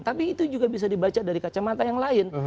tapi itu juga bisa dibaca dari kacamata yang lain